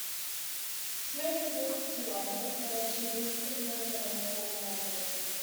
Smith moved to London, where she briefly joined the Rank Organisation.